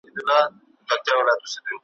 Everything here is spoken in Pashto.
زندانونه به ماتيږي `